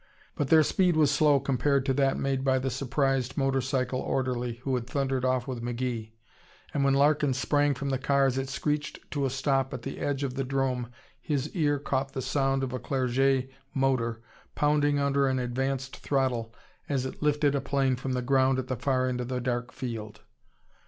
But their speed was slow compared to that made by the surprised motor cycle orderly who had thundered off with McGee, and when Larkin sprang from the car as it screeched to a stop at the edge of the 'drome his ear caught the sound of a Clerget motor pounding under an advanced throttle as it lifted a plane from the ground at the far end of the dark field.